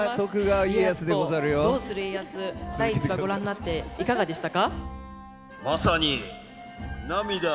第１話ご覧になっていかがでしたか？